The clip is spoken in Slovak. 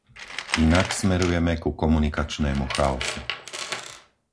Inak smerujeme ku komunikačnému chaosu.